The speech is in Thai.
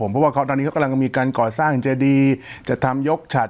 เพราะว่าตอนนี้เขากำลังมีการก่อสร้างเจดีจะทำยกฉัด